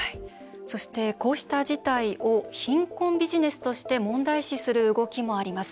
そして、こうした事態を貧困ビジネスとして問題視する動きもあります。